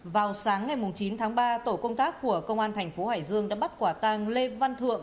vào sáng ngày chín tháng ba tổ công tác của công an thành phố hải dương đã bắt quả tàng lê văn thượng